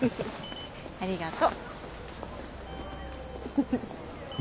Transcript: ありがと。